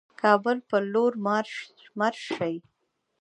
کابل پر لور مارش شي.